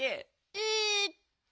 えっと。